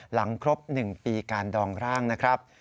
หลังครบ๑ปีการดองร่างนะครับ